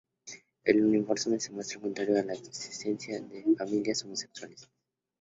El informe se muestra contrario a la existencia de familias homosexuales.